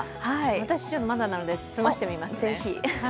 私、まだなので済ましてみますね。